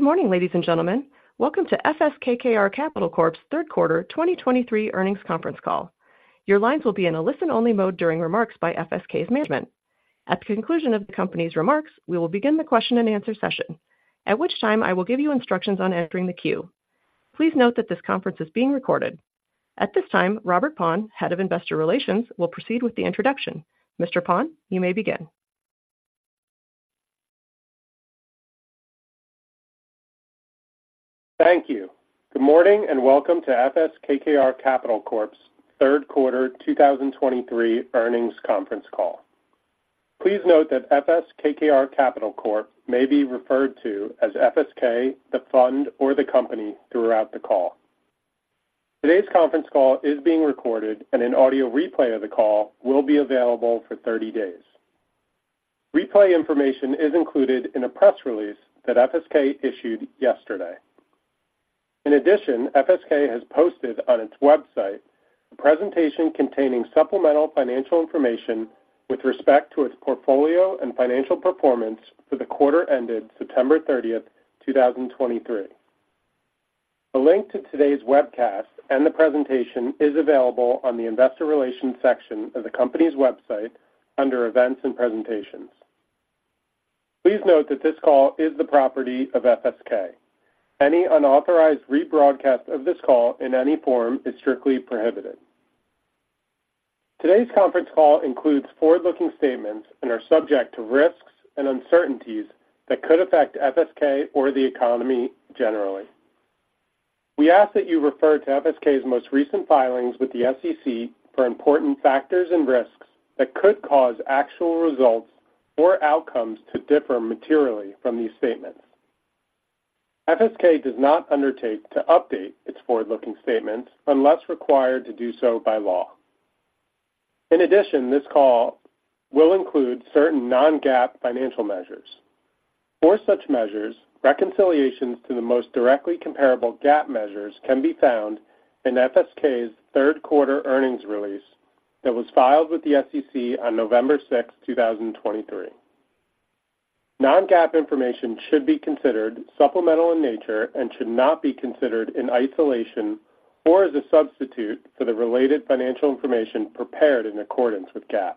Good morning, ladies and gentlemen. Welcome to FS KKR Capital Corp.'s Q3 2023 earnings conference call. Your lines will be in a listen-only mode during remarks by FSK's management. At the conclusion of the Company's remarks, we will begin the question-and-answer session, at which time I will give you instructions on entering the queue. Please note that this conference is being recorded. At this time, Robert Paun, Head of Investor Relations, will proceed with the introduction. Mr. Paun, you may begin. Thank you. Good morning, and welcome to FS KKR Capital Corp.'s Q3 2023 earnings conference call. Please note that FS KKR Capital Corp. may be referred to as FSK, the Fund, or the Company throughout the call. Today's conference call is being recorded, and an audio replay of the call will be available for 30 days. Replay information is included in a press release that FSK issued yesterday. In addition, FSK has posted on its website a presentation containing supplemental financial information with respect to its portfolio and financial performance for the quarter ended September 30th, 2023. A link to today's webcast and the presentation is available on the Investor Relations section of the Company's website under Events and Presentations. Please note that this call is the property of FSK. Any unauthorized rebroadcast of this call in any form is strictly prohibited. Today's conference call includes forward-looking statements and are subject to risks and uncertainties that could affect FSK or the economy generally. We ask that you refer to FSK's most recent filings with the SEC for important factors and risks that could cause actual results or outcomes to differ materially from these statements. FSK does not undertake to update its forward-looking statements unless required to do so by law. In addition, this call will include certain non-GAAP financial measures. For such measures, reconciliations to the most directly comparable GAAP measures can be found in FSK's Q3 earnings release that was filed with the SEC on November 6, 2023. Non-GAAP information should be considered supplemental in nature and should not be considered in isolation or as a substitute for the related financial information prepared in accordance with GAAP.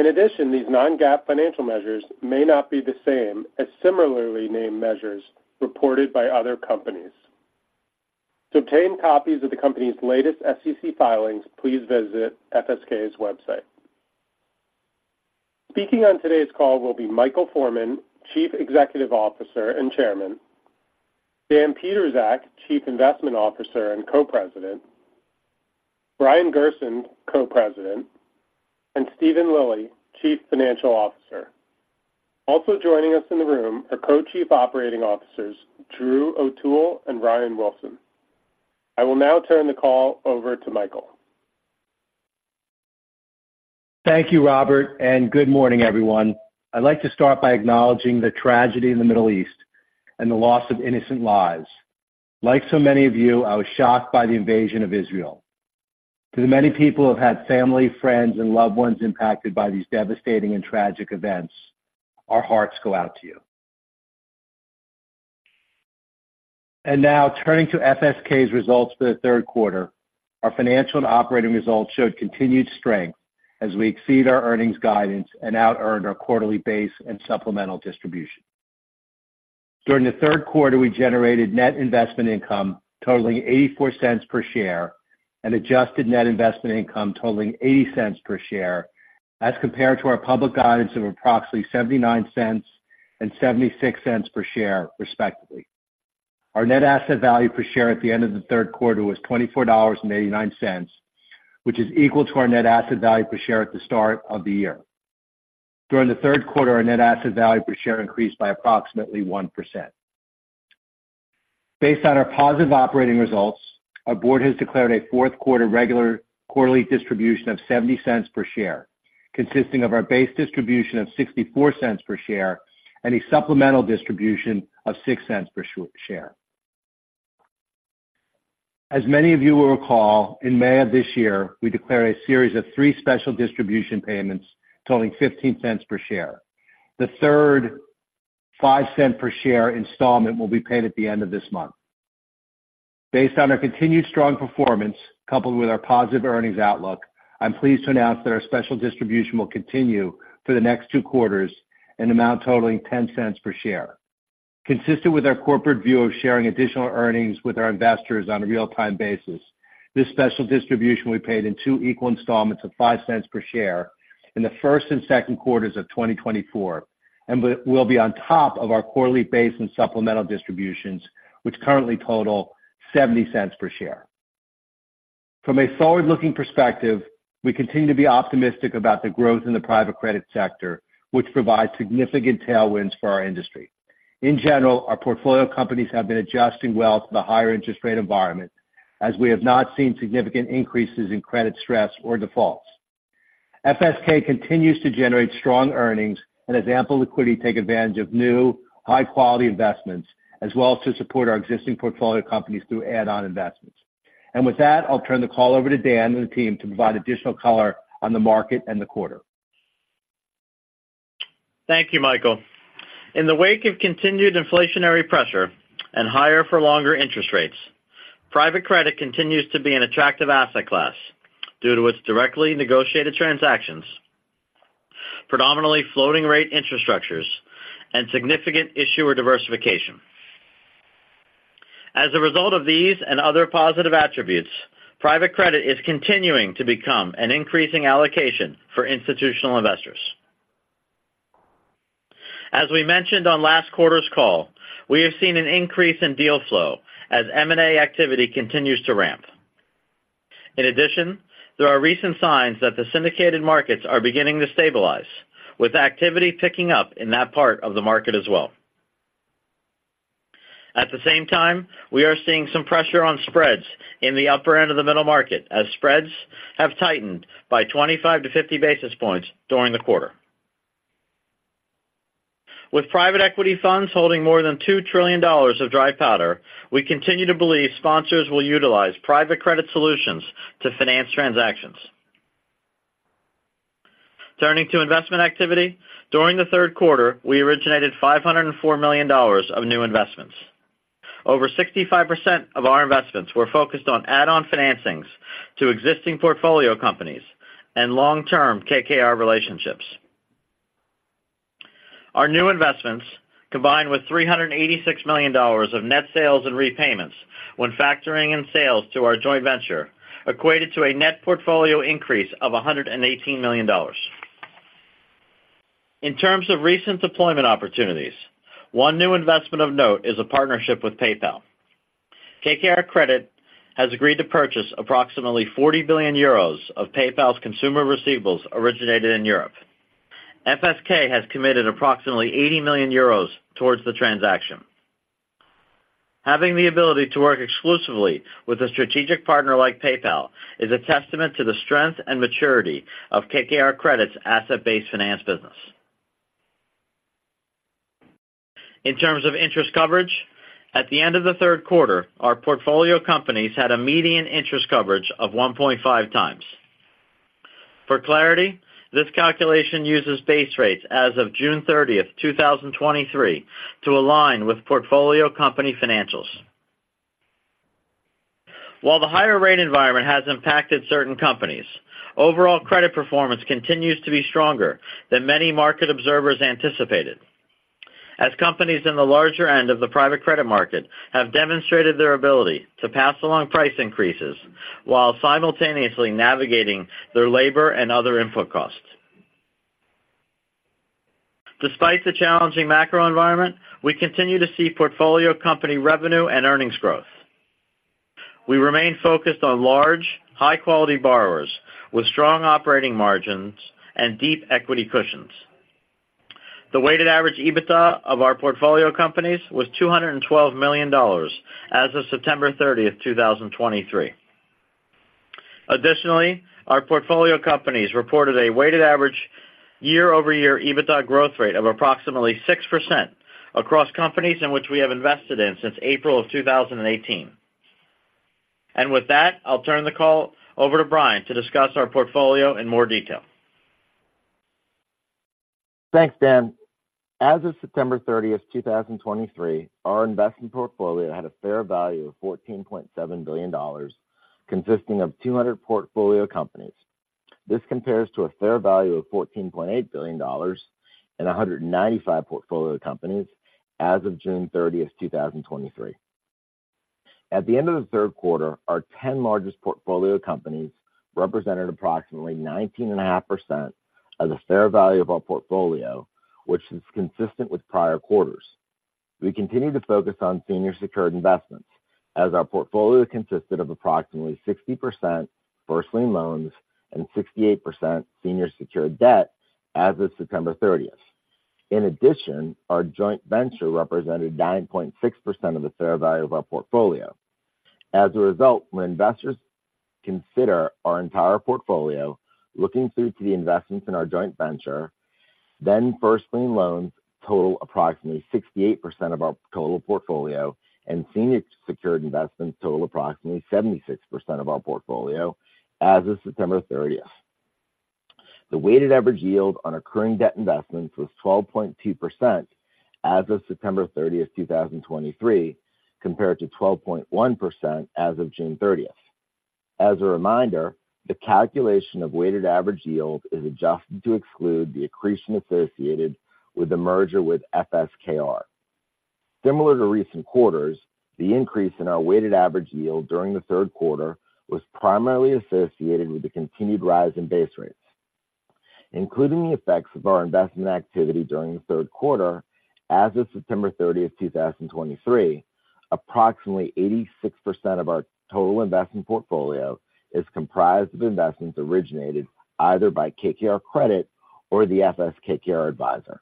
In addition, these non-GAAP financial measures may not be the same as similarly named measures reported by other companies. To obtain copies of the Company's latest SEC filings, please visit FSK's website. Speaking on today's call will be Michael Forman, Chief Executive Officer and Chairman; Dan Pietrzak, Chief Investment Officer and Co-President; Brian Gerson, Co-President; and Steven Lilly, Chief Financial Officer. Also joining us in the room are Co-Chief Operating Officers Drew O'Toole and Ryan Wilson. I will now turn the call over to Michael. Thank you, Robert, and good morning, everyone. I'd like to start by acknowledging the tragedy in the Middle East and the loss of innocent lives. Like so many of you, I was shocked by the invasion of Israel. To the many people who have had family, friends, and loved ones impacted by these devastating and tragic events, our hearts go out to you. Now, turning to FSK's results for the Q3, our financial and operating results showed continued strength as we exceed our earnings guidance and outearned our quarterly base and supplemental distribution. During the Q3, we generated net investment income totaling 84 cents per share and adjusted net investment income totaling 80 cents per share, as compared to our public guidance of approximately $0.79 and $0.76 per share, respectively. Our net asset value per share at the end of the Q3 was $24.89, which is equal to our net asset value per share at the start of the year. During the Q3, our net asset value per share increased by approximately 1%. Based on our positive operating results, our board has declared a Q4 regular quarterly distribution of $0.70 per share, consisting of our base distribution of $0.64 per share and a supplemental distribution of $0.06 per share. As many of you will recall, in May of this year, we declared a series of three special distribution payments totaling $0.15 per share. The third $0.05 per share installment will be paid at the end of this month. Based on our continued strong performance, coupled with our positive earnings outlook, I'm pleased to announce that our special distribution will continue for the next two quarters, an amount totaling $0.10 per share. Consistent with our corporate view of sharing additional earnings with our investors on a real-time basis, this special distribution will be paid in two equal installments of $0.05 per share in the Q1 and Q2 of 2024, and will be on top of our quarterly base and supplemental distributions, which currently total $0.70 per share. From a forward-looking perspective, we continue to be optimistic about the growth in the private credit sector, which provides significant tailwinds for our industry. In general, our portfolio companies have been adjusting well to the higher interest rate environment, as we have not seen significant increases in credit stress or defaults. FSK continues to generate strong earnings and has ample liquidity to take advantage of new, high-quality investments, as well as to support our existing portfolio companies through add-on investments. With that, I'll turn the call over to Dan and the team to provide additional color on the market and the quarter. Thank you, Michael. In the wake of continued inflationary pressure and higher for longer interest rates, private credit continues to be an attractive asset class due to its directly negotiated transactions, predominantly floating rate infrastructures, and significant issuer diversification. As a result of these and other positive attributes, private credit is continuing to become an increasing allocation for institutional investors. As we mentioned on last quarter's call, we have seen an increase in deal flow as M&A activity continues to ramp. In addition, there are recent signs that the syndicated markets are beginning to stabilize, with activity picking up in that part of the market as well. At the same time, we are seeing some pressure on spreads in the upper end of the middle market, as spreads have tightened by 25-50 basis points during the quarter. With private equity funds holding more than $2 trillion of dry powder, we continue to believe sponsors will utilize private credit solutions to finance transactions. Turning to investment activity. During the Q3, we originated $504 million of new investments. Over 65% of our investments were focused on add-on financings to existing portfolio companies and long-term KKR relationships. Our new investments, combined with $386 million of net sales and repayments when factoring in sales to our joint venture, equated to a net portfolio increase of $118 million. In terms of recent deployment opportunities, one new investment of note is a partnership with PayPal. KKR Credit has agreed to purchase approximately 40 billion euros of PayPal's consumer receivables originated in Europe. FSK has committed approximately 80 million euros towards the transaction. Having the ability to work exclusively with a strategic partner like PayPal is a testament to the strength and maturity of KKR Credit's Asset-Based Finance business. In terms of interest coverage, at the end of the Q3, our portfolio companies had a median interest coverage of 1.5 times. For clarity, this calculation uses base rates as of June 30th, 2023, to align with portfolio company financials. While the higher rate environment has impacted certain companies, overall credit performance continues to be stronger than many market observers anticipated, as companies in the larger end of the private credit market have demonstrated their ability to pass along price increases while simultaneously navigating their labor and other input costs. Despite the challenging macro environment, we continue to see portfolio company revenue and earnings growth. We remain focused on large, high-quality borrowers with strong operating margins and deep equity cushions. The weighted average EBITDA of our portfolio companies was $212 million as of September 30th, 2023. Additionally, our portfolio companies reported a weighted average year-over-year EBITDA growth rate of approximately 6% across companies in which we have invested in since April of 2018. With that, I'll turn the call over to Brian to discuss our portfolio in more detail. Thanks, Dan. As of September 30th, 2023, our investment portfolio had a fair value of $14.7 billion, consisting of 200 portfolio companies. This compares to a fair value of $14.8 billion and 195 portfolio companies as of June 30th, 2023. At the end of the Q3, our 10 largest portfolio companies represented approximately 19.5% of the fair value of our portfolio, which is consistent with prior quarters. We continue to focus on senior secured investments, as our portfolio consisted of approximately 60% first lien loans and 68% senior secured debt as of September 30. In addition, our joint venture represented 9.6% of the fair value of our portfolio. As a result, when investors consider our entire portfolio, looking through to the investments in our joint venture, then first lien loans total approximately 68% of our total portfolio, and senior secured investments total approximately 76% of our portfolio as of September 30th. The weighted average yield on accruing debt investments was 12.2% as of September 30th, 2023, compared to 12.1% as of June 30. As a reminder, the calculation of weighted average yield is adjusted to exclude the accretion associated with the merger with FSKR. Similar to recent quarters, the increase in our weighted average yield during the Q3 was primarily associated with the continued rise in base rates, including the effects of our investment activity during the Q3. As of September 30, 2023, approximately 86% of our total investment portfolio is comprised of investments originated either by KKR Credit or the FS/KKR Advisor.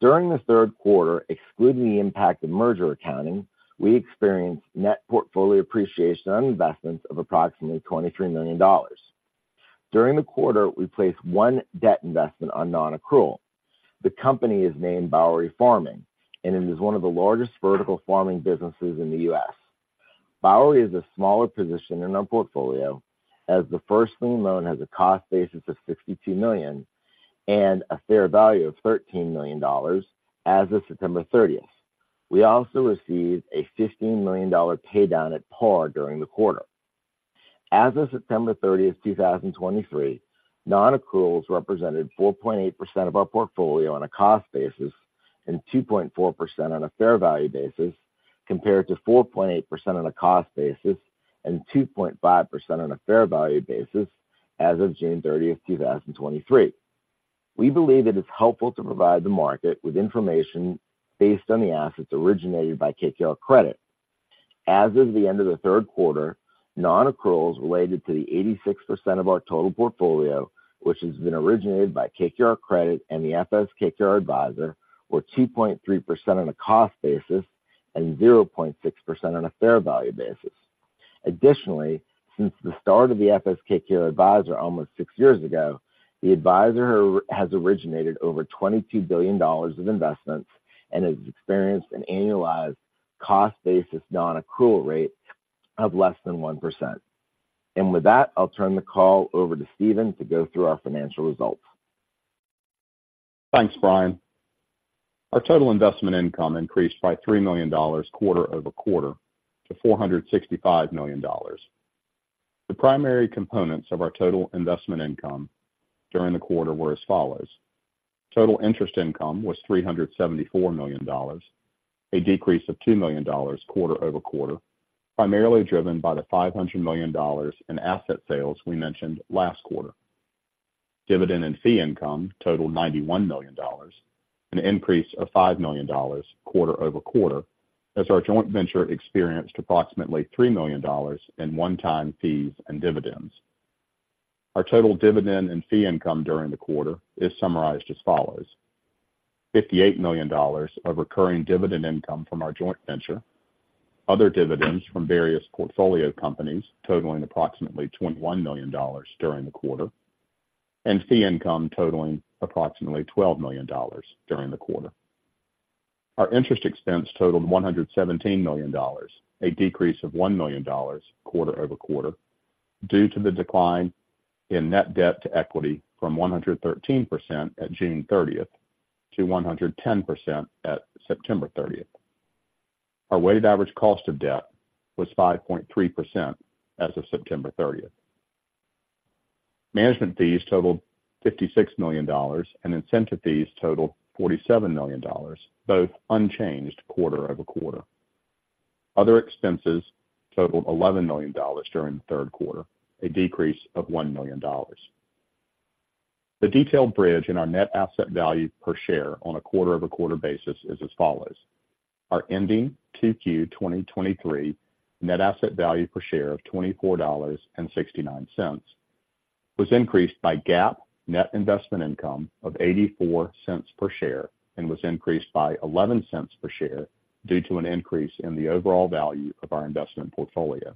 During the Q3, excluding the impact of merger accounting, we experienced net portfolio appreciation on investments of approximately $23 million. During the quarter, we placed one debt investment on non-accrual. The company is named Bowery Farming, and it is one of the largest vertical farming businesses in the U.S.... Bowery is a smaller position in our portfolio, as the first lien loan has a cost basis of $62 million and a fair value of $13 million as of September 30. We also received a $15 million pay down at par during the quarter. As of September 30, 2023, non-accruals represented 4.8% of our portfolio on a cost basis and 2.4% on a fair value basis, compared to 4.8% on a cost basis and 2.5% on a fair value basis as of June 30, 2023. We believe it is helpful to provide the market with information based on the assets originated by KKR Credit. As of the end of the Q3, non-accruals related to the 86% of our total portfolio, which has been originated by KKR Credit and the FS KKR Advisor, were 2.3% on a cost basis and 0.6% on a fair value basis. Additionally, since the start of the FS KKR Advisor almost six years ago, the advisor has originated over $22 billion of investments and has experienced an annualized cost basis non-accrual rate of less than 1%. With that, I'll turn the call over to Steven to go through our financial results. Thanks, Brian. Our total investment income increased by $3 million quarter-over-quarter to $465 million. The primary components of our total investment income during the quarter were as follows: Total interest income was $374 million, a decrease of $2 million quarter-over-quarter, primarily driven by the $500 million in asset sales we mentioned last quarter. Dividend and fee income totaled $91 million, an increase of $5 million quarter-over-quarter, as our joint venture experienced approximately $3 million in one-time fees and dividends. Our total dividend and fee income during the quarter is summarized as follows: $58 million of recurring dividend income from our joint venture, other dividends from various portfolio companies totaling approximately $21 million during the quarter, and fee income totaling approximately $12 million during the quarter. Our interest expense totaled $117 million, a decrease of $1 million quarter-over-quarter, due to the decline in net debt to equity from 113% at June 30th to 110% at September 30th. Our weighted average cost of debt was 5.3% as of September 30. Management fees totaled $56 million and incentive fees totaled $47 million, both unchanged quarter-over-quarter. Other expenses totaled $11 million during the Q3, a decrease of $1 million. The detailed bridge in our net asset value per share on a quarter-over-quarter basis is as follows: Our ending Q2 2023 net asset value per share of $24.69 was increased by GAAP net investment income of $0.84 per share and was increased by $0.11 per share due to an increase in the overall value of our investment portfolio.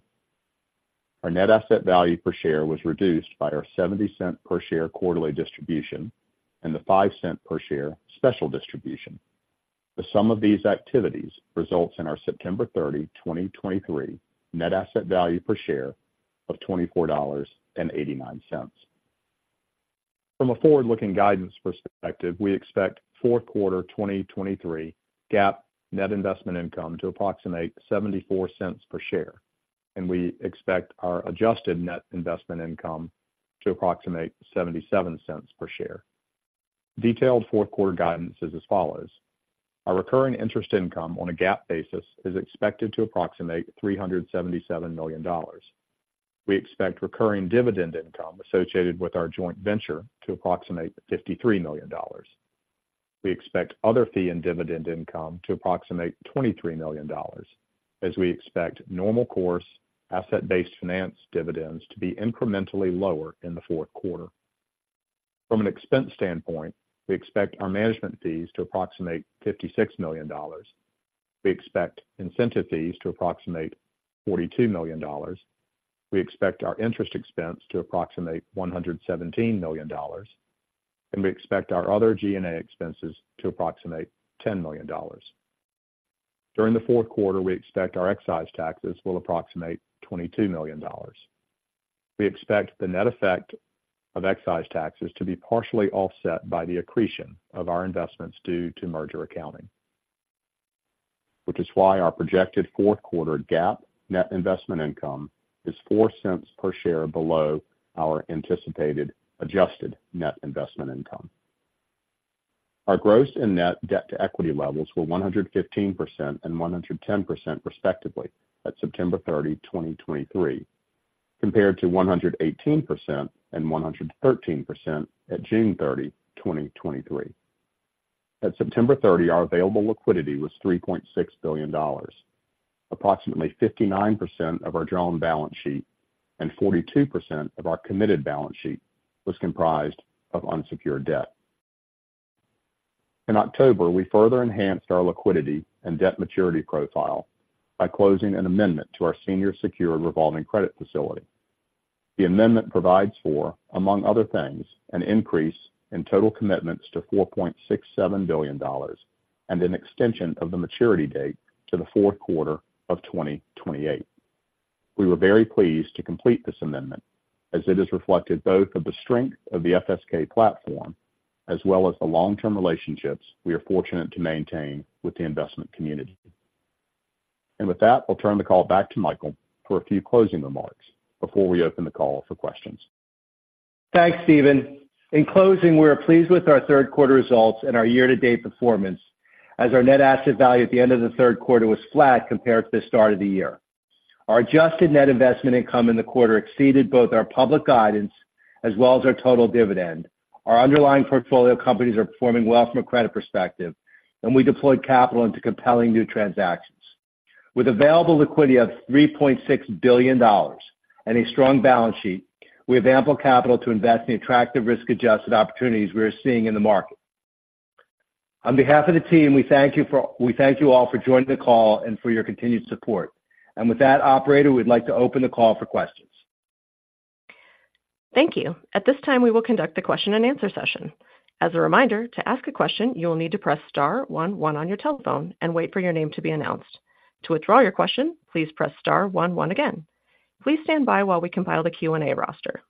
Our net asset value per share was reduced by our $0.70 per share quarterly distribution and the $0.05 per share special distribution. The sum of these activities results in our September 30, 2023 net asset value per share of $24.89. From a forward-looking guidance perspective, we expect Q4 2023 GAAP net investment income to approximate $0.74 per share, and we expect our adjusted net investment income to approximate $0.77 per share. Detailed Q4 guidance is as follows: Our recurring interest income on a GAAP basis is expected to approximate $377 million. We expect recurring dividend income associated with our joint venture to approximate $53 million. We expect other fee and dividend income to approximate $23 million, as we expect normal course Asset-Based Finance dividends to be incrementally lower in the Q4. From an expense standpoint, we expect our management fees to approximate $56 million. We expect incentive fees to approximate $42 million. We expect our interest expense to approximate $117 million, and we expect our other G&A expenses to approximate $10 million. During the Q4, we expect our excise taxes will approximate $22 million. We expect the net effect of excise taxes to be partially offset by the accretion of our investments due to merger accounting, which is why our projected Q4 GAAP net investment income is $0.04 per share below our anticipated adjusted net investment income. Our gross and net debt-to-equity levels were 115% and 110%, respectively, at September 30, 2023, compared to 118% and 113% at June 30, 2023. At September 30, our available liquidity was $3.6 billion. Approximately 59% of our drawn balance sheet and 42% of our committed balance sheet was comprised of unsecured debt. In October, we further enhanced our liquidity and debt maturity profile by closing an amendment to our senior secured revolving credit facility.... The amendment provides for, among other things, an increase in total commitments to $4.67 billion and an extension of the maturity date to the Q4 of 2028. We were very pleased to complete this amendment, as it is reflected both of the strength of the FSK platform as well as the long-term relationships we are fortunate to maintain with the investment community. With that, I'll turn the call back to Michael for a few closing remarks before we open the call for questions. Thanks, Steven. In closing, we are pleased with our Q3 results and our year-to-date performance, as our net asset value at the end of the Q3 was flat compared to the start of the year. Our adjusted net investment income in the quarter exceeded both our public guidance as well as our total dividend. Our underlying portfolio companies are performing well from a credit perspective, and we deployed capital into compelling new transactions. With available liquidity of $3.6 billion and a strong balance sheet, we have ample capital to invest in the attractive risk-adjusted opportunities we are seeing in the market. On behalf of the team, we thank you all for joining the call and for your continued support. With that, operator, we'd like to open the call for questions. Thank you. At this time, we will conduct the question-and-answer session. As a reminder, to ask a question, you will need to press star one, one on your telephone and wait for your name to be announced. To withdraw your question, please press star one, one again. Please stand by while we compile the Q&A roster.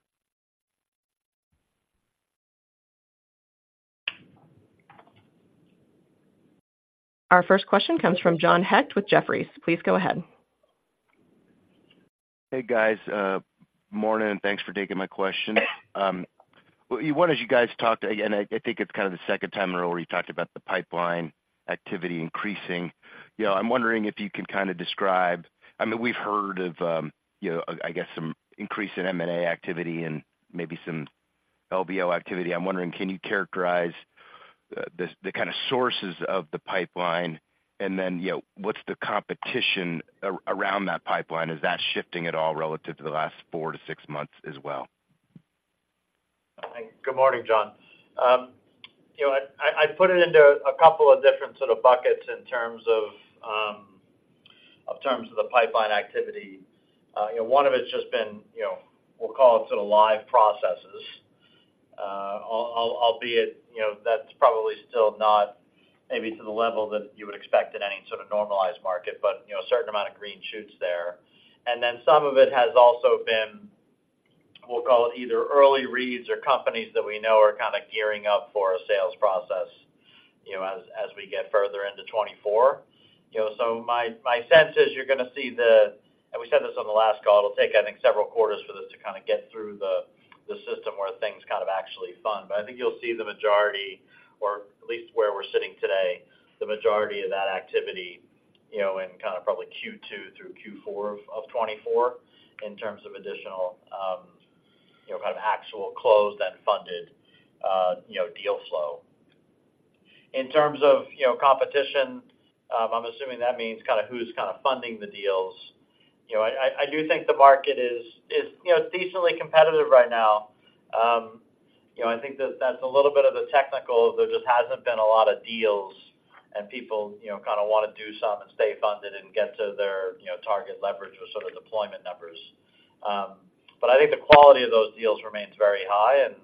Our first question comes from John Hecht with Jefferies. Please go ahead. Hey, guys. Morning, and thanks for taking my question. Well, one, as you guys talked, and I think it's kind of the second time in a row where you talked about the pipeline activity increasing. You know, I'm wondering if you can kind of describe... I mean, we've heard of, you know, I guess, some increase in M&A activity and maybe some LBO activity. I'm wondering, can you characterize the kind of sources of the pipeline? And then, you know, what's the competition around that pipeline? Is that shifting at all relative to the last four to six months as well? Good morning, John. You know, I'd put it into a couple of different sort of buckets in terms of, of terms of the pipeline activity. You know, one of it's just been, you know, we'll call it sort of live processes. Albeit, you know, that's probably still not maybe to the level that you would expect in any sort of normalized market, but, you know, a certain amount of green shoots there. And then some of it has also been, we'll call it either early reads or companies that we know are kind of gearing up for a sales process, you know, as, as we get further into 2024. You know, so my, my sense is you're going to see the, and we said this on the last call, it'll take, I think, several quarters for this to kind of get through the, the system where things kind of actually fund. But I think you'll see the majority or at least where we're sitting today, the majority of that activity, you know, in kind of probably Q2 through Q4 of 2024 in terms of additional, you know, kind of actual closed and funded, you know, deal flow. In terms of, you know, competition, I'm assuming that means kind of who's kind of funding the deals. You know, I, I, I do think the market is, is, you know, decently competitive right now. You know, I think that, that's a little bit of the technical. There just hasn't been a lot of deals, and people, you know, kind of want to do some and stay funded and get to their, you know, target leverage or sort of deployment numbers. But I think the quality of those deals remains very high and,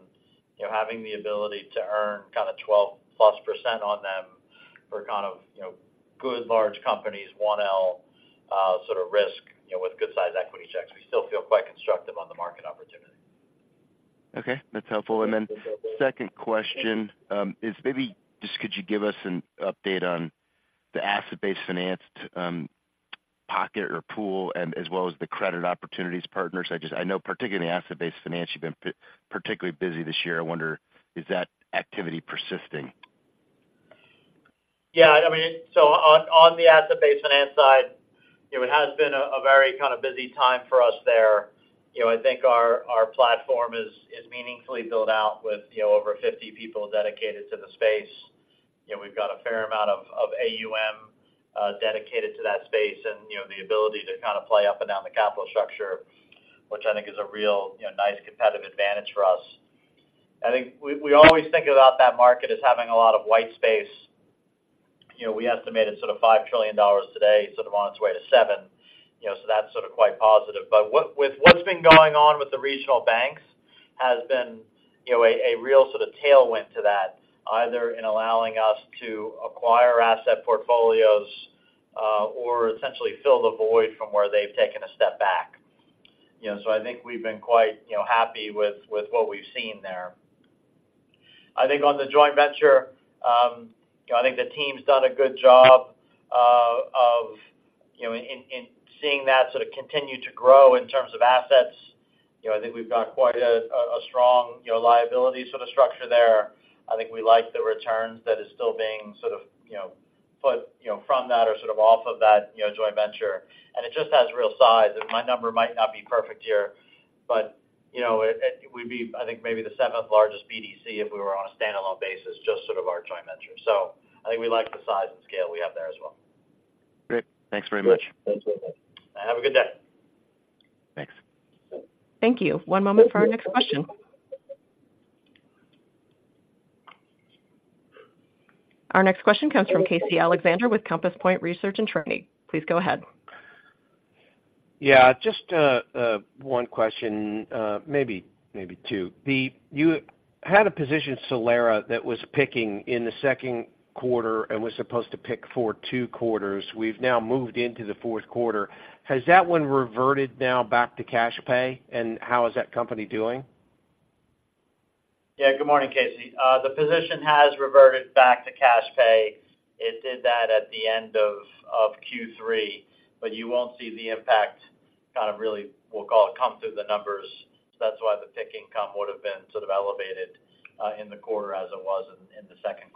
you know, having the ability to earn kind of 12%+ on them for kind of, you know, good large companies, 1L sort of risk, you know, with good-sized equity checks, we still feel quite constructive on the market opportunity. Okay, that's helpful. And then second question, is maybe just could you give us an update on the Asset-Based Finance, pocket or pool, and as well as the Credit Opportunities Partners? I just, I know particularly in the Asset-Based Finance, you've been particularly busy this year. I wonder, is that activity persisting? Yeah, I mean, so on the Asset-Based Finance side, you know, it has been a very kind of busy time for us there. You know, I think our platform is meaningfully built out with, you know, over 50 people dedicated to the space. You know, we've got a fair amount of AUM dedicated to that space and, you know, the ability to kind of play up and down the capital structure, which I think is a real, you know, nice competitive advantage for us. I think we always think about that market as having a lot of white space. You know, we estimate it sort of $5 trillion today, sort of on its way to $7 trillion, you know, so that's sort of quite positive. But with what's been going on with the regional banks has been, you know, a real sort of tailwind to that, either in allowing us to acquire asset portfolios, or essentially fill the void from where they've taken a step back. You know, so I think we've been quite, you know, happy with what we've seen there. I think on the joint venture, you know, I think the team's done a good job of, you know, in seeing that sort of continue to grow in terms of assets. You know, I think we've got quite a strong, you know, liability sort of structure there. I think we like the returns that is still being sort of, you know, put, you know, from that or sort of off of that, you know, joint venture. And it just has real size. My number might not be perfect here, but, you know, it would be, I think, maybe the seventh largest BDC if we were on a standalone basis, just sort of our joint venture. So I think we like the size and scale we have there as well. Great. Thanks very much. Thanks. Have a good day. Thanks. Thank you. One moment for our next question.... Our next question comes from Casey Alexander with Compass Point Research and Trading. Please go ahead. Yeah, just one question, maybe, maybe two. The-- you had a position Solera, that was PIKing in the Q2 and was supposed to PIK for two quarters. We've now moved into the Q4. Has that one reverted now back to cash pay? And how is that company doing? Yeah. Good morning, Casey. The position has reverted back to cash pay. It did that at the end of, of Q3, but you won't see the impact kind of really, we'll call it, come through the numbers. That's why the PIK income would have been sort of elevated in the quarter as it was in, in the Q2.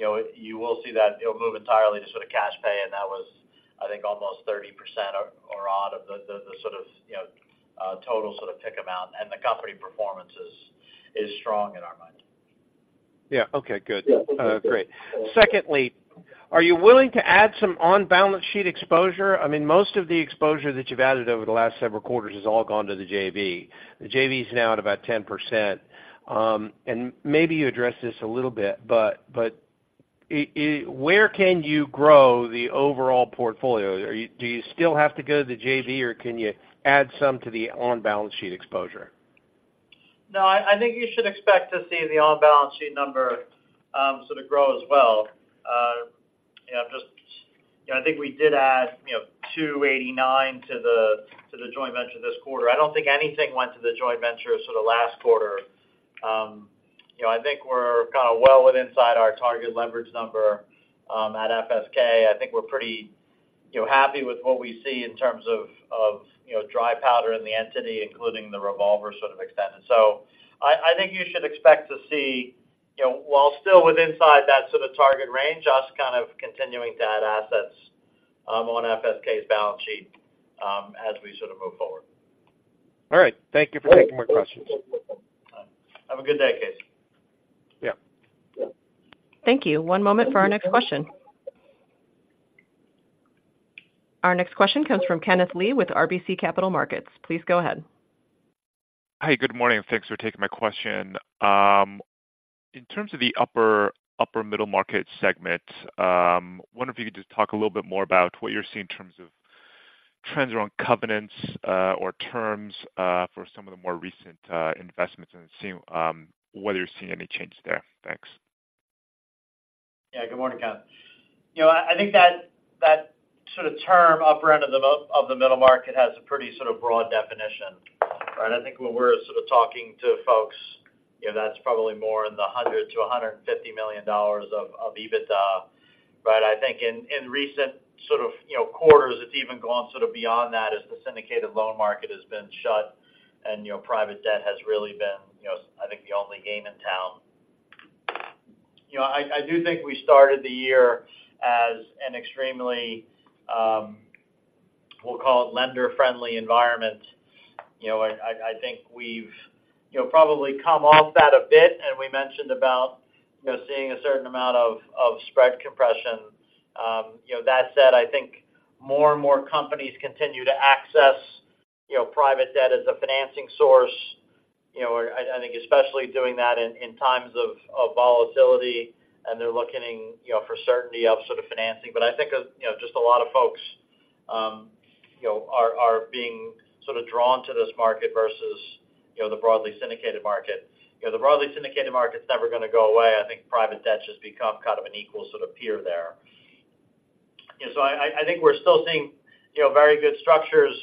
You know, you will see that it'll move entirely to sort of cash pay, and that was, I think, almost 30% or, or odd of the, the sort of, you know, total sort of PIK amount, and the company performance is, is strong in our mind. Yeah. Okay, good. Great. Secondly, are you willing to add some on-balance sheet exposure? I mean, most of the exposure that you've added over the last several quarters has all gone to the JV. The JV is now at about 10%. And maybe you addressed this a little bit, but where can you grow the overall portfolio? Do you still have to go to the JV, or can you add some to the on-balance sheet exposure? No, I think you should expect to see the on-balance sheet number sort of grow as well. You know, just you know, I think we did add you know, $289 million to the joint venture this quarter. I don't think anything went to the joint venture sort of last quarter. You know, I think we're kind of well within our target leverage number at FSK. I think we're pretty you know, happy with what we see in terms of you know, dry powder in the entity, including the revolver to the extent. So I think you should expect to see you know, while still within that sort of target range, us kind of continuing to add assets on FSK's balance sheet as we sort of move forward. All right. Thank you for taking my question. Have a good day, Casey. Yeah. Thank you. One moment for our next question. Our next question comes from Kenneth Lee with RBC Capital Markets. Please go ahead. Hi, good morning, and thanks for taking my question. In terms of the upper, upper middle market segment, wonder if you could just talk a little bit more about what you're seeing in terms of trends around covenants, or terms, for some of the more recent, investments and seeing, whether you're seeing any change there. Thanks. Yeah. Good morning, Ken. You know, I think that, that sort of term, upper end of the, of the middle market, has a pretty sort of broad definition, right? I think when we're sort of talking to folks, you know, that's probably more in the $100 million-$150 million of, of EBITDA. But I think in, in recent sort of, you know, quarters, it's even gone sort of beyond that as the syndicated loan market has been shut and, you know, private debt has really been, you know, I think, the only game in town. You know, I, I do think we started the year as an extremely, we'll call it lender-friendly environment. You know, I, I think we've, you know, probably come off that a bit, and we mentioned about, you know, seeing a certain amount of, of spread compression. You know, that said, I think more and more companies continue to access, you know, private debt as a financing source. You know, I think especially doing that in times of volatility, and they're looking, you know, for certainty of sort of financing. But I think, you know, just a lot of folks, you know, are being sort of drawn to this market versus, you know, the broadly syndicated market. You know, the broadly syndicated market is never going to go away. I think private debt just become kind of an equal sort of peer there. You know, so I think we're still seeing, you know, very good structures.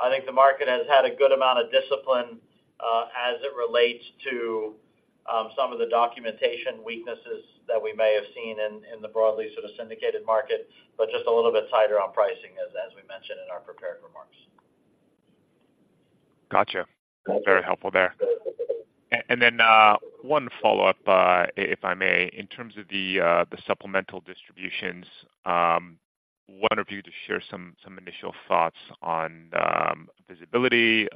I think the market has had a good amount of discipline as it relates to some of the documentation weaknesses that we may have seen in the broadly sort of syndicated market, but just a little bit tighter on pricing, as we mentioned in our prepared remarks. Got you. Very helpful there. And then, one follow-up, if I may. In terms of the supplemental distributions, wondering if you could share some initial thoughts on visibility,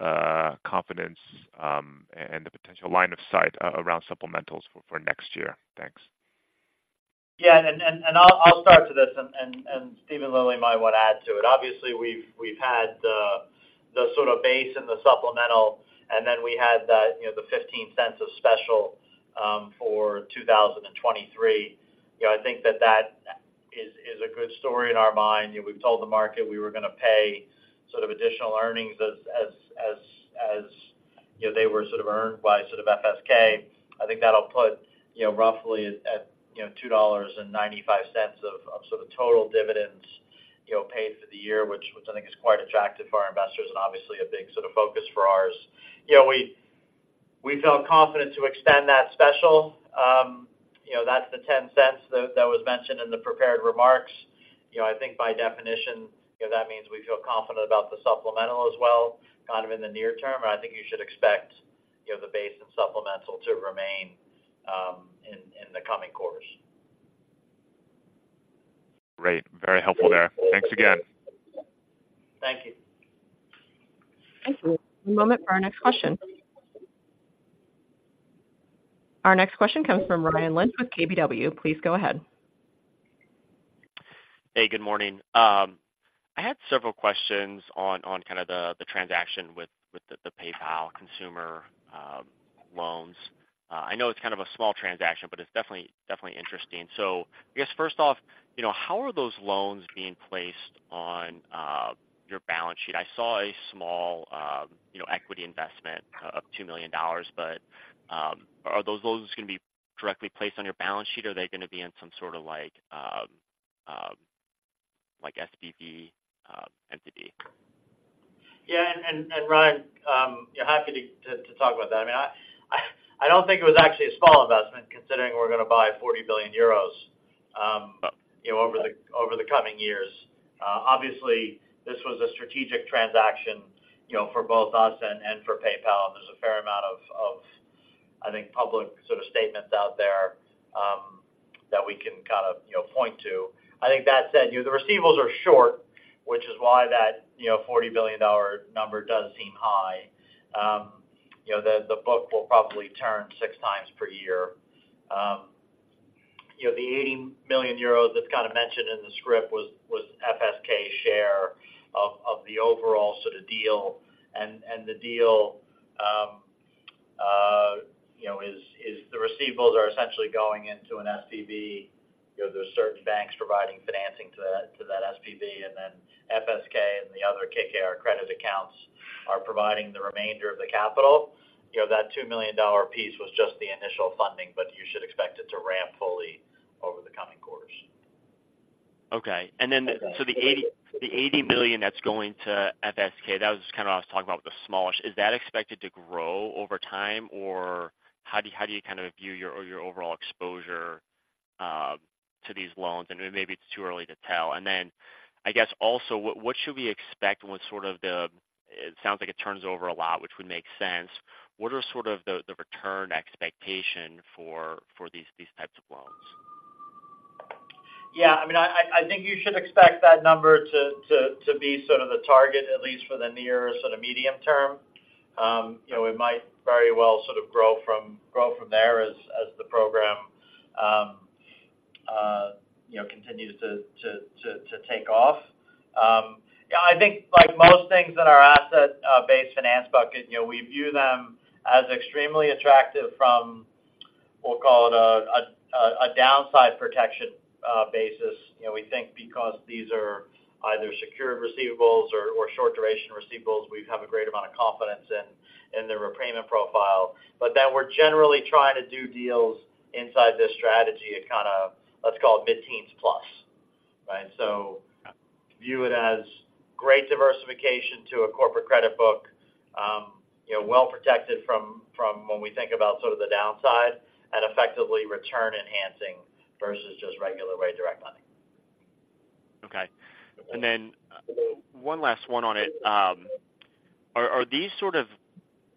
confidence, and the potential line of sight around supplementals for next year. Thanks. Yeah, and I'll start to this, and Steven Lilly might want to add to it. Obviously, we've had the sort of base and the supplemental, and then we had the, you know, the $0.15 of special for 2023. You know, I think that is a good story in our mind. You know, we've told the market we were going to pay sort of additional earnings as, you know, they were sort of earned by sort of FSK. I think that'll put, you know, roughly at, you know, $2.95 of sort of total dividends, you know, paid for the year, which I think is quite attractive for our investors and obviously a big sort of focus for ours. You know, we felt confident to extend that special. You know, that's the $0.10 that was mentioned in the prepared remarks. You know, I think by definition, you know, that means we feel confident about the supplemental as well, kind of in the near term, and I think you should expect, you know, the base and supplemental to remain in the coming quarters. Great. Very helpful there. Thanks again. Thank you. Thank you. One moment for our next question. Our next question comes from Ryan Lynch with KBW. Please go ahead.... Hey, good morning. I had several questions on kind of the transaction with the PayPal consumer loans. I know it's kind of a small transaction, but it's definitely interesting. So I guess first off, you know, how are those loans being placed on your balance sheet? I saw a small equity investment of $2 million, but are those loans just going to be directly placed on your balance sheet, or are they gonna be in some sort of like SPV entity? Yeah. And Ryan, yeah, happy to talk about that. I mean, I don't think it was actually a small investment considering we're gonna buy 40 billion euros, you know, over the coming years. Obviously, this was a strategic transaction, you know, for both us and for PayPal. There's a fair amount of, I think, public sort of statements out there that we can kind of, you know, point to. I think that said, you know, the receivables are short, which is why that, you know, $40 billion number does seem high. You know, the book will probably turn 6 times per year. You know, the 80 million euros that's kind of mentioned in the script was FSK share of the overall sort of deal. The deal, you know, is the receivables are essentially going into an SPV. You know, there's certain banks providing financing to that SPV, and then FSK and the other KKR credit accounts are providing the remainder of the capital. You know, that $2 million piece was just the initial funding, but you should expect it to ramp fully over the coming quarters. Okay. And then- Okay. So the $80, the $80 million that's going to FSK, that was just kind of I was talking about with the smallish. Is that expected to grow over time, or how do you, how do you kind of view your, your overall exposure to these loans? And maybe it's too early to tell. And then, I guess also, what, what should we expect with sort of the... It sounds like it turns over a lot, which would make sense. What are sort of the, the return expectation for, for these, these types of loans? Yeah, I mean, I think you should expect that number to be sort of the target, at least for the near sort of medium term. You know, it might very well sort of grow from there as the program you know, continues to take off. Yeah, I think like most things in our Asset-Based Finance bucket, you know, we view them as extremely attractive from, we'll call it a downside protection basis. You know, we think because these are either secured receivables or short duration receivables, we have a great amount of confidence in the repayment profile. But that we're generally trying to do deals inside this strategy at kind of, let's call it mid-teens plus. Right? View it as great diversification to a corporate credit book, you know, well-protected from when we think about sort of the downside, and effectively return enhancing versus just regular rate direct lending. Okay. And then one last one on it. Are these sort of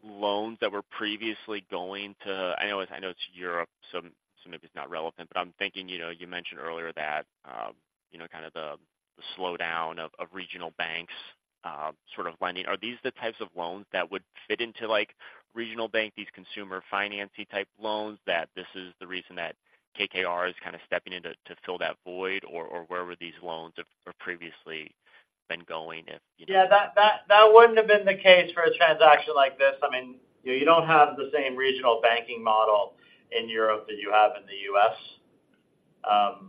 loans that were previously going to... I know it's Europe, so maybe it's not relevant, but I'm thinking, you know, you mentioned earlier that, you know, kind of the slowdown of regional banks sort of lending. Are these the types of loans that would fit into, like, regional bank, these consumer financing type loans, that this is the reason that KKR is kind of stepping in to fill that void? Or where were these loans have previously been going, if you know? Yeah, that wouldn't have been the case for a transaction like this. I mean, you know, you don't have the same regional banking model in Europe that you have in the U.S.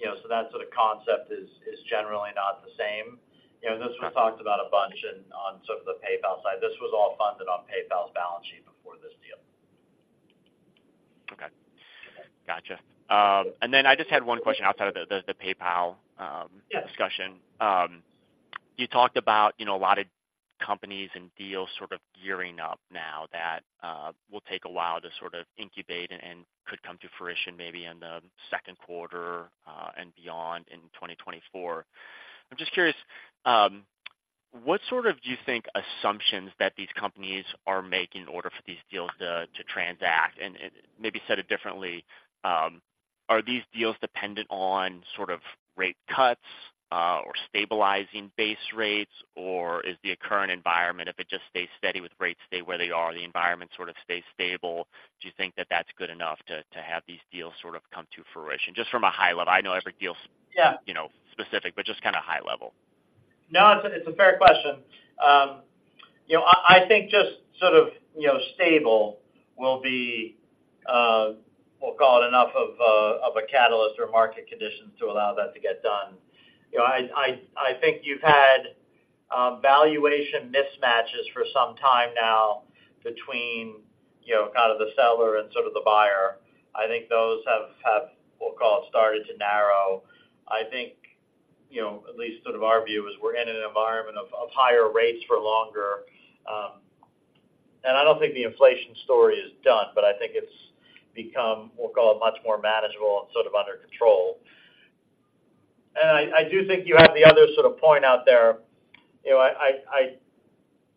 You know, so that sort of concept is generally not the same. You know, this was talked about a bunch in on sort of the PayPal side. This was all funded on PayPal's balance sheet before this deal. Okay. Gotcha. And then I just had one question outside of the PayPal, Yeah... discussion. You talked about, you know, a lot of companies and deals sort of gearing up now that will take a while to sort of incubate and could come to fruition maybe in the Q2 and beyond in 2024. I'm just curious what sort of do you think assumptions that these companies are making in order for these deals to transact? And maybe said it differently, are these deals dependent on sort of rate cuts or stabilizing base rates, or is the current environment, if it just stays steady with rates stay where they are, the environment sort of stays stable, do you think that that's good enough to have these deals sort of come to fruition? Just from a high level. I know every deal- Yeah... you know, specific, but just kind of high level. No, it's a fair question. You know, I think just sort of, you know, stable will be we'll call it enough of a catalyst or market conditions to allow that to get done. You know, I think you've had valuation mismatches for some time now between, you know, kind of the seller and sort of the buyer. I think those have we'll call it started to narrow. I think, you know, at least sort of our view is we're in an environment of higher rates for longer. And I don't think the inflation story is done, but I think it's become we'll call it much more manageable and sort of under control. And I do think you have the other sort of point out there. You know,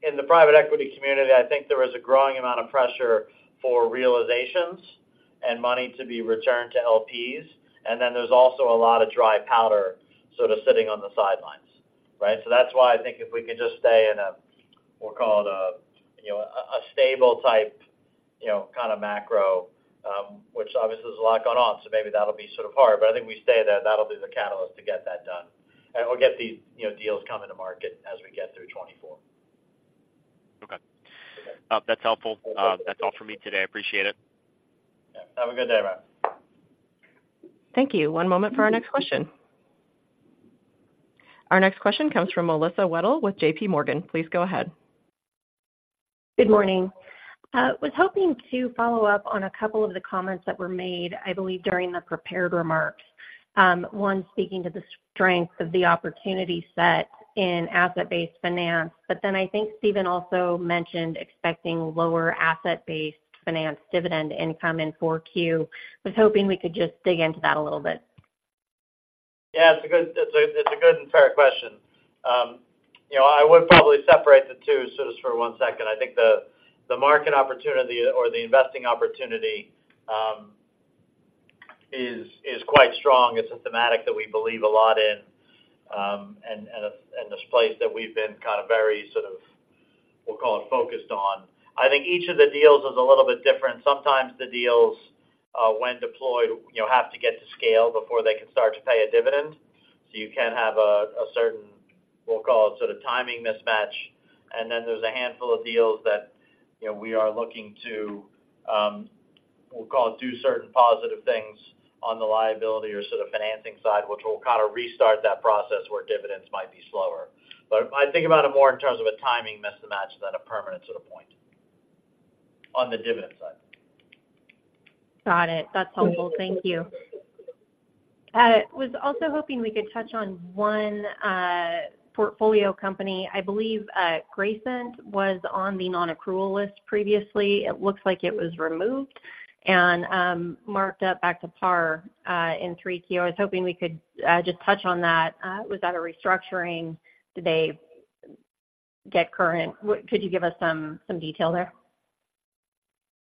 in the private equity community, I think there is a growing amount of pressure for realizations and money to be returned to LPs, and then there's also a lot of dry powder sort of sitting on the sidelines. Right? So that's why I think if we could just stay in a stable type, you know, kind of macro, which obviously there's a lot going on, so maybe that'll be sort of hard. But I think we stay there, that'll be the catalyst to get that done. And we'll get these, you know, deals coming to market as we get through 2024. Okay. That's helpful. That's all for me today. I appreciate it. Yeah. Have a good day, Ryan. Thank you. One moment for our next question. Our next question comes from Melissa Wedel with JPMorgan. Please go ahead. Good morning. Was hoping to follow up on a couple of the comments that were made, I believe, during the prepared remarks. One, speaking to the strength of the opportunity set in Asset-Based Finance. But then I think Steven also mentioned expecting lower Asset-Based Finance dividend income in Q4. Was hoping we could just dig into that a little bit. Yeah, it's a good and fair question. You know, I would probably separate the two, so just for one second. I think the market opportunity or the investing opportunity is quite strong. It's a thematic that we believe a lot in, and a place that we've been kind of very sort of, we'll call it, focused on. I think each of the deals is a little bit different. Sometimes the deals, when deployed, you know, have to get to scale before they can start to pay a dividend. So you can have a, a certain, we'll call it, sort of timing mismatch, and then there's a handful of deals that, you know, we are looking to, we'll call it, do certain positive things on the liability or sort of financing side, which will kind of restart that process where dividends might be slower. But I think about it more in terms of a timing mismatch than a permanent sort of point, on the dividend side. Got it. That's helpful. Thank you. Was also hoping we could touch on one portfolio company. I believe Grayson was on the non-accrual list previously. It looks like it was removed and marked up back to par in Q3. I was hoping we could just touch on that. Was that a restructuring? Did they get current? What could you give us some detail there?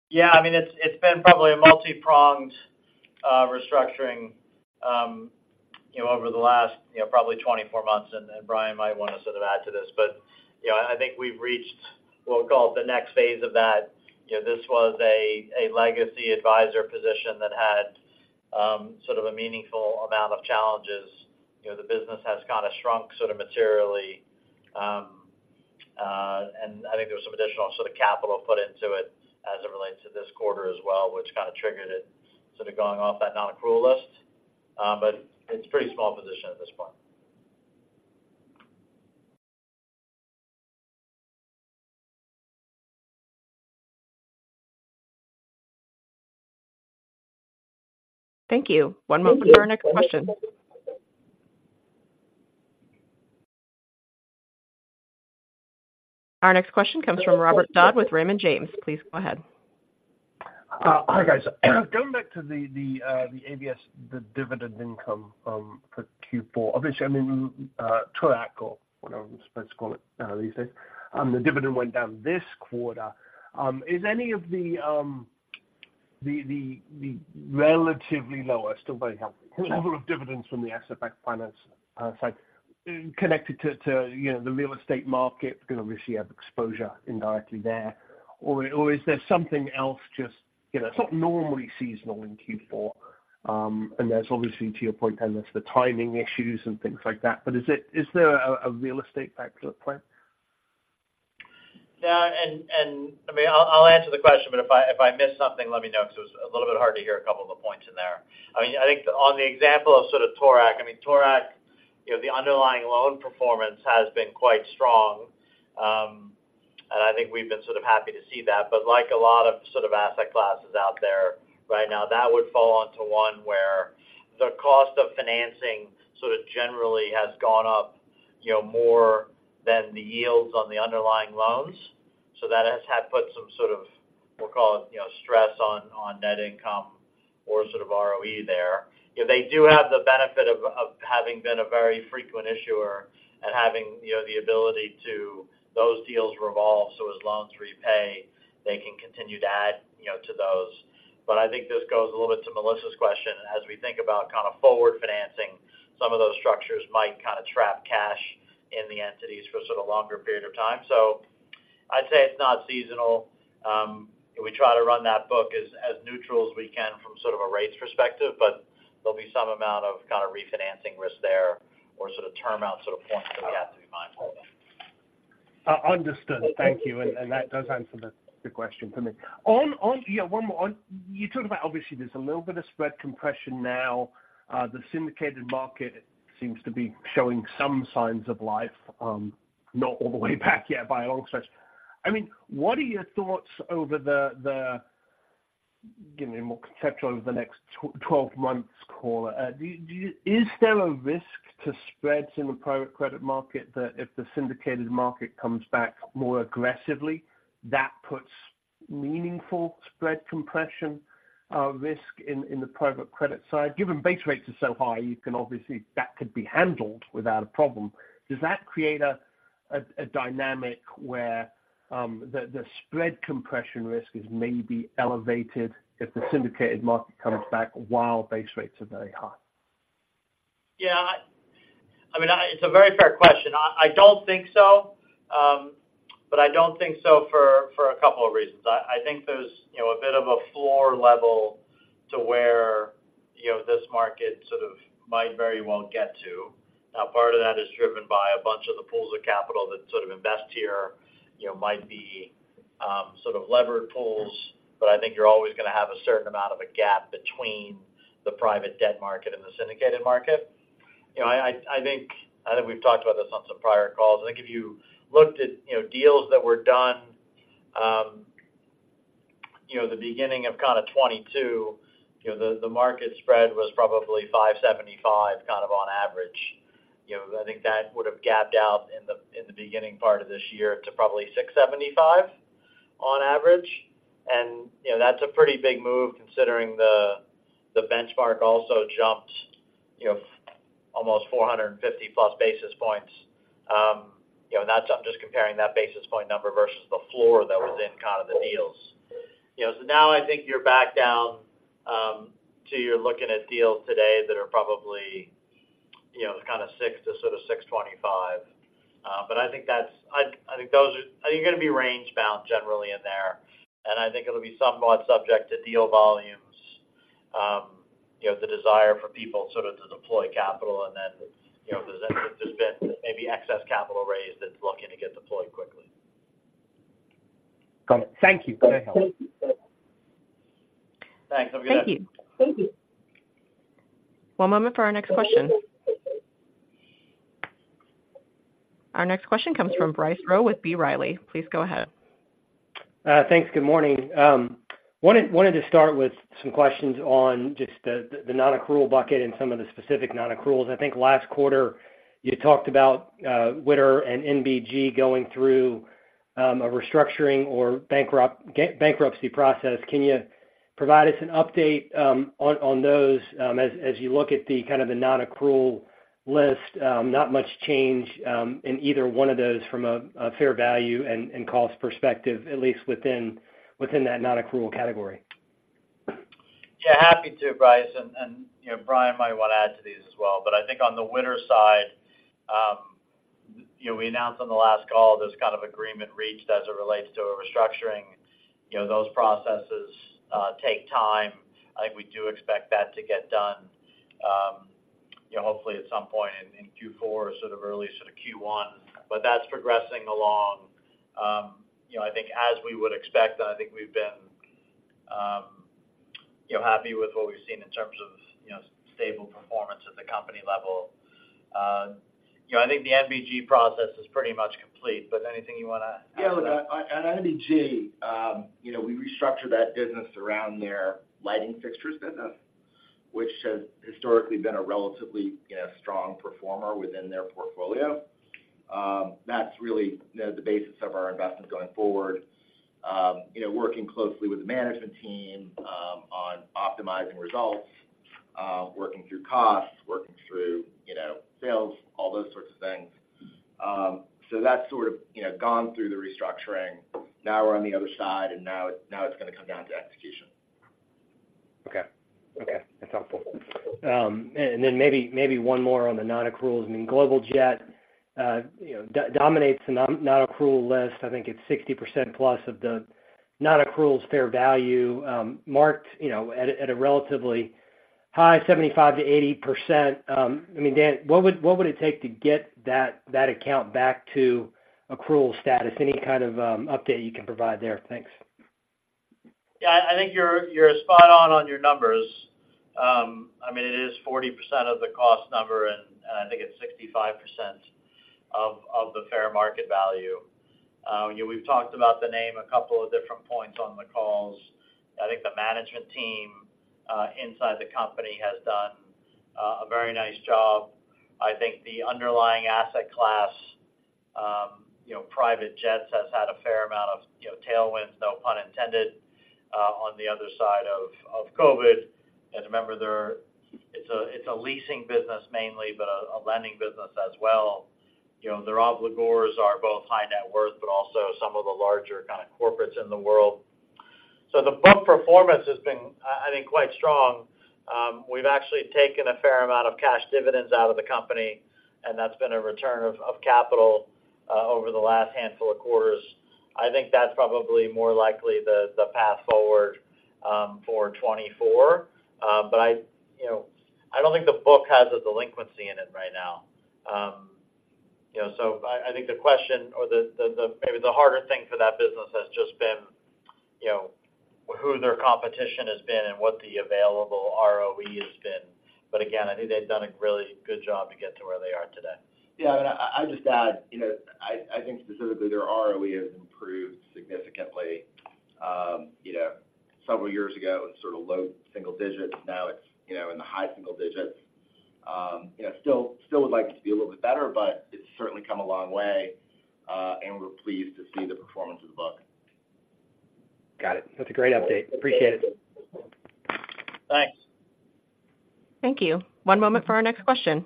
Yeah, I mean, it's been probably a multipronged restructuring, you know, over the last, you know, probably 24 months, and Brian might want to sort of add to this. But, you know, I think we've reached what we call the next phase of that. You know, this was a legacy advisor position that had sort of a meaningful amount of challenges. You know, the business has kind of shrunk sort of materially. And I think there was some additional sort of capital put into it as it relates to this quarter as well, which kind of triggered it sort of going off that non-accrual list. But it's a pretty small position at this point. Thank you. One moment for our next question. Our next question comes from Robert Dodd with Raymond James. Please go ahead. Hi, guys. Going back to the ABS, the dividend income for Q4, obviously, I mean, Toorak, whatever I'm supposed to call it these days. The dividend went down this quarter. Is any of the relatively lower, still very healthy level of dividends from the asset-backed finance side, connected to, you know, the real estate market, because obviously you have exposure indirectly there? Or is there something else just... You know, it's not normally seasonal in Q4. And there's obviously, to your point, then there's the timing issues and things like that. But is it- is there a real estate back to the point? Yeah, and I mean, I'll answer the question, but if I miss something, let me know, because it was a little bit hard to hear a couple of the points in there. I mean, I think on the example of sort of Toorak, I mean, Toorak, you know, the underlying loan performance has been quite strong. And I think we've been sort of happy to see that. But like a lot of sort of asset classes out there right now, that would fall onto one where the cost of financing sort of generally has gone up, you know, more than the yields on the underlying loans. So that has had put some sort of, we'll call it, you know, stress on net income or sort of ROE there. You know, they do have the benefit of having been a very frequent issuer and having, you know, the ability to those deals revolve, so as loans repay, they can continue to add, you know, to those. But I think this goes a little bit to Melissa's question. As we think about kind of forward financing, some of those structures might kind of trap cash in the entities for sort of longer period of time. So I'd say it's not seasonal. We try to run that book as neutral as we can from sort of a rates perspective, but there'll be some amount of kind of refinancing risk there or sort of term out sort of points that we have to be mindful of. Understood. Thank you. And that does answer the question for me. Yeah, one more. You talked about obviously there's a little bit of spread compression now. The syndicated market seems to be showing some signs of life, not all the way back yet by a long stretch. I mean, what are your thoughts over the, give me a more conceptual over the next twelve months call? Do you— is there a risk to spreads in the private credit market that if the syndicated market comes back more aggressively, that puts meaningful spread compression risk in the private credit side? Given base rates are so high, you can obviously— that could be handled without a problem. Does that create a dynamic where the spread compression risk is maybe elevated if the syndicated market comes back while base rates are very high?... Yeah, I mean, it's a very fair question. I don't think so, but I don't think so for a couple of reasons. I think there's, you know, a bit of a floor level to where, you know, this market sort of might very well get to. Now, part of that is driven by a bunch of the pools of capital that sort of invest here, you know, might be sort of levered pools. But I think you're always going to have a certain amount of a gap between the private debt market and the syndicated market. You know, I think we've talked about this on some prior calls. I think if you looked at, you know, deals that were done, you know, the beginning of kind of 2022, you know, the market spread was probably 575, kind of on average. You know, I think that would have gapped out in the, in the beginning part of this year to probably 675 on average. And, you know, that's a pretty big move considering the, the benchmark also jumped, you know, almost 450+ basis points. You know, that's—I'm just comparing that basis point number versus the floor that was in kind of the deals. You know, so now I think you're back down, to you're looking at deals today that are probably, you know, kind of 600 to sort of 625. But I think you're going to be range-bound generally in there, and I think it'll be somewhat subject to deal volumes. You know, the desire for people sort of to deploy capital and then, you know, there's been maybe excess capital raised that's looking to get deployed quickly. Got it. Thank you, Dan. Thanks. Have a good day. Thank you. One moment for our next question. Our next question comes from Bryce Rowe with B. Riley. Please go ahead. Thanks. Good morning. Wanted to start with some questions on just the non-accrual bucket and some of the specific non-accruals. I think last quarter you talked about Wittur and NBG going through a restructuring or bankruptcy process. Can you provide us an update on those as you look at the kind of the non-accrual list? Not much change in either one of those from a fair value and cost perspective, at least within that non-accrual category. Yeah, happy to, Bryce. And, you know, Brian might want to add to these as well. But I think on the Wittur side, you know, we announced on the last call there's kind of agreement reached as it relates to a restructuring. You know, those processes take time. I think we do expect that to get done, you know, hopefully at some point in Q4, or sort of early sort of Q1. But that's progressing along. You know, I think as we would expect, I think we've been, you know, happy with what we've seen in terms of, you know, stable performance at the company level. You know, I think the NBG process is pretty much complete, but anything you want to add to that? Yeah, look, on NBG, you know, we restructured that business around their lighting fixtures business, which has historically been a relatively, you know, strong performer within their portfolio. That's really, you know, the basis of our investment going forward. You know, working closely with the management team, on optimizing results, working through costs, working through, you know, sales, all those sorts of things. So that's sort of, you know, gone through the restructuring. Now we're on the other side, and now it's going to come down to execution. Okay. Okay, that's helpful. And then maybe one more on the nonaccruals. I mean, Global Jet, you know, dominates the nonaccrual list. I think it's 60% plus of the nonaccruals fair value, marked, you know, at a relatively high 75%-80%. I mean, Dan, what would it take to get that account back to accrual status? Any kind of update you can provide there? Thanks. Yeah, I think you're spot on on your numbers. I mean, it is 40% of the cost number, and I think it's 65% of the fair market value. You know, we've talked about the name a couple of different points on the calls. I think the management team inside the company has done a very nice job. I think the underlying asset class, you know, private jets, has had a fair amount of, you know, tailwinds, no pun intended, on the other side of COVID. And remember, they're. It's a leasing business mainly, but a lending business as well. You know, their obligors are both high net worth, but also some of the larger kind of corporates in the world. So the book performance has been, I think, quite strong. We've actually taken a fair amount of cash dividends out of the company, and that's been a return of capital over the last handful of quarters. I think that's probably more likely the path forward for 2024. But you know, I don't think the book has a delinquency in it right now. You know, so I think the question or maybe the harder thing for that business has just been who their competition has been and what the available ROE has been. But again, I think they've done a really good job to get to where they are today. Yeah, and I'd just add, you know, I think specifically their ROE has improved significantly. You know, several years ago, it was sort of low single digits. Now it's, you know, in the high single digits. You know, still would like it to be a little bit better, but it's certainly come a long way, and we're pleased to see the performance of the book. Got it. That's a great update. Appreciate it. Thanks. Thank you. One moment for our next question....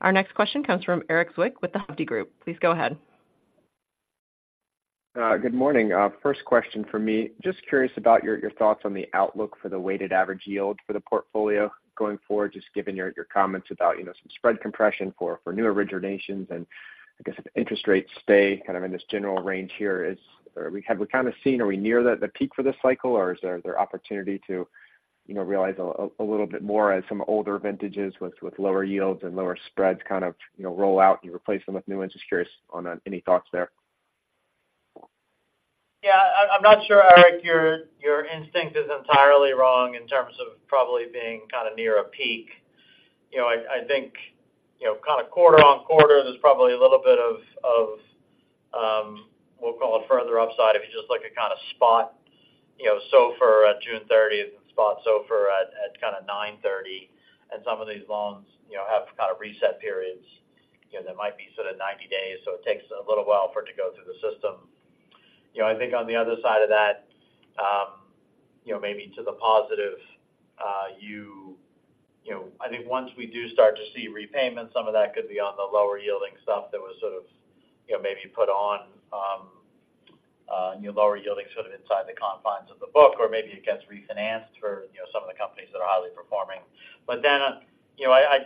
Our next question comes from Erik Zwick with the Hovde Group. Please go ahead. Good morning. First question for me: Just curious about your thoughts on the outlook for the weighted average yield for the portfolio going forward, just given your comments about, you know, some spread compression for new originations. And I guess if interest rates stay kind of in this general range here, is, have we kind of seen, are we near the peak for this cycle, or is there opportunity to, you know, realize a little bit more as some older vintages with lower yields and lower spreads kind of, you know, roll out, and you replace them with new ones? Just curious on any thoughts there. Yeah, I'm not sure, Erik, your instinct is entirely wrong in terms of probably being kind of near a peak. You know, I think, you know, kind of quarter-on-quarter, there's probably a little bit of, we'll call it further upside, if you just look at kind of spot, you know, SOFR at June 30th and spot SOFR at kind of September 30. And some of these loans, you know, have kind of reset periods, you know, that might be sort of 90 days, so it takes a little while for it to go through the system. You know, I think on the other side of that, you know, maybe to the positive, you, you know, I think once we do start to see repayments, some of that could be on the lower-yielding stuff that was sort of, you know, maybe put on, new lower yielding sort of inside the confines of the book or maybe it gets refinanced for, you know, some of the companies that are highly performing. But then, you know, I, I,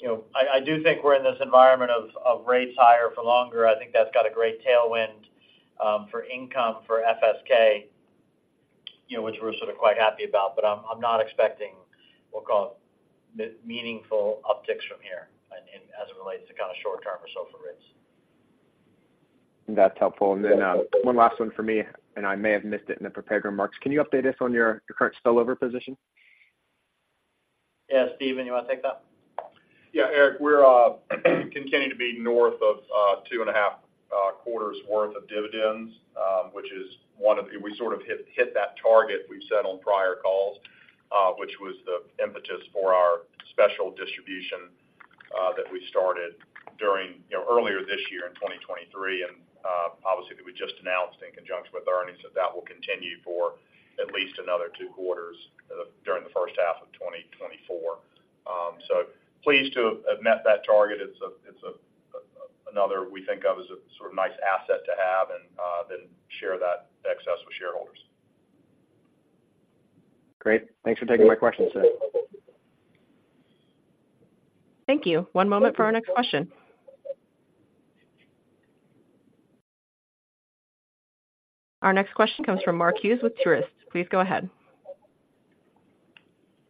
you know, I, I do think we're in this environment of, of rates higher for longer. I think that's got a great tailwind, for income for FSK, you know, which we're sort of quite happy about. But I'm, I'm not expecting, we'll call it, meaningful upticks from here, in, as it relates to kind of short-term or SOFR rates. That's helpful. And then, one last one for me, and I may have missed it in the prepared remarks. Can you update us on your, your current spillover position? Yeah. Steven, you want to take that? Yeah, Erik, we're continuing to be north of 2.5 quarters worth of dividends, which is one of the—we sort of hit that target we've set on prior calls, which was the impetus for our special distribution that we started during, you know, earlier this year in 2023. And obviously, that we just announced in conjunction with earnings, that that will continue for at least another two quarters during the first half of 2024. So pleased to have met that target. It's a another we think of as a sort of nice asset to have and then share that excess with shareholders. Great. Thanks for taking my questions today. Thank you. One moment for our next question. Our next question comes from Mark Hughes with Truist. Please go ahead.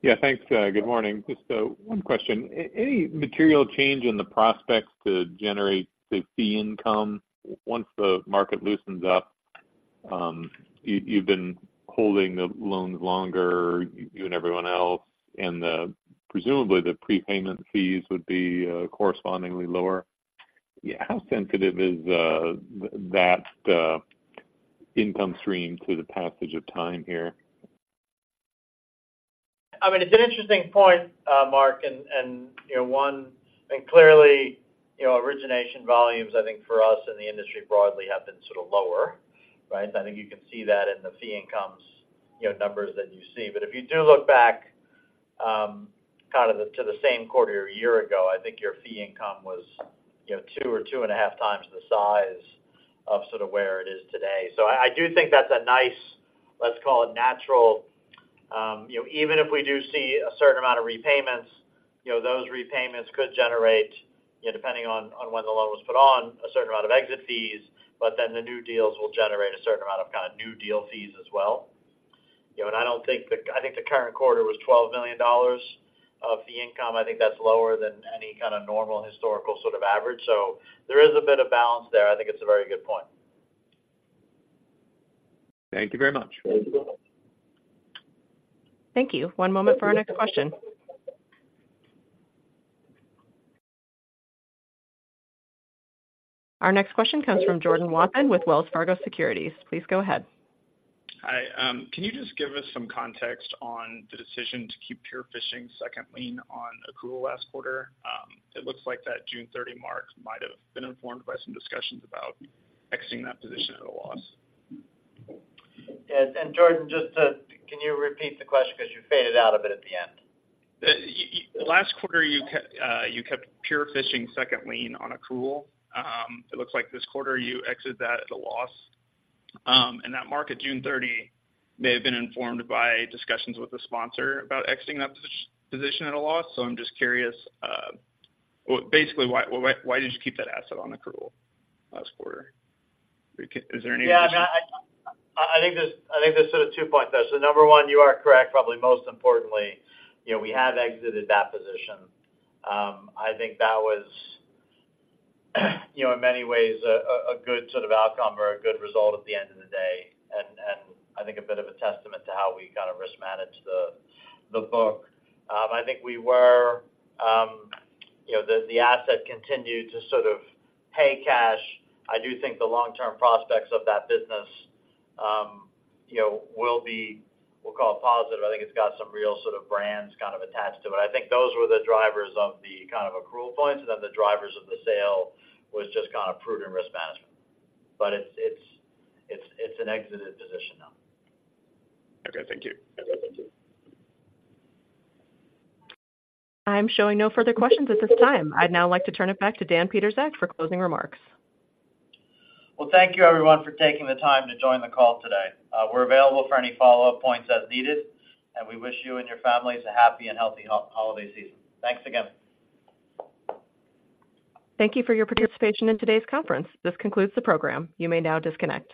Yeah, thanks. Good morning. Just one question. Any material change in the prospects to generate the fee income once the market loosens up? You, you've been holding the loans longer, you and everyone else, and, presumably, the prepayment fees would be correspondingly lower. How sensitive is that income stream to the passage of time here? I mean, it's an interesting point, Mark, and clearly, you know, origination volumes, I think, for us and the industry broadly, have been sort of lower, right? I think you can see that in the fee income numbers that you see. But if you do look back, to the same quarter a year ago, I think your fee income was, you know, 2 or 2.5 times the size of sort of where it is today. So I do think that's a nice, let's call it natural, you know, even if we do see a certain amount of repayments, you know, those repayments could generate, you know, depending on when the loan was put on, a certain amount of exit fees, but then the new deals will generate a certain amount of kind of new deal fees as well. You know, and I think the current quarter was $12 million of fee income. I think that's lower than any kind of normal historical sort of average. So there is a bit of balance there. I think it's a very good point. Thank you very much. Thank you. One moment for our next question. Our next question comes from Jordan Wathen with Wells Fargo Securities. Please go ahead. Hi. Can you just give us some context on the decision to keep Pure Fishing second lien on accrual last quarter? It looks like that June 30 mark might have been informed by some discussions about exiting that position at a loss. Yes, and Jordan, can you repeat the question? Because you faded out a bit at the end. Last quarter, you kept Pure Fishing second lien on accrual. It looks like this quarter you exited that at a loss. And that mark at June 30 may have been informed by discussions with the sponsor about exiting that position at a loss. So I'm just curious, well, basically, why, why, why did you keep that asset on accrual last quarter? Is there any reason? Yeah, I think there's sort of two points there. So number one, you are correct, probably most importantly, you know, we have exited that position. I think that was, you know, in many ways, a good sort of outcome or a good result at the end of the day, and I think a bit of a testament to how we kind of risk manage the book. I think we were, you know, the asset continued to sort of pay cash. I do think the long-term prospects of that business, you know, will be, we'll call it positive. I think it's got some real sort of brands kind of attached to it. I think those were the drivers of the kind of accrual points, and then the drivers of the sale was just kind of prudent risk management. But it's an exited position now. Okay, thank you. I'm showing no further questions at this time. I'd now like to turn it back to Dan Pietrzak for closing remarks. Well, thank you, everyone, for taking the time to join the call today. We're available for any follow-up points as needed, and we wish you and your families a happy and healthy holiday season. Thanks again. Thank you for your participation in today's conference. This concludes the program. You may now disconnect.